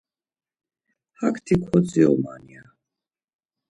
Hakti kodziroman ya.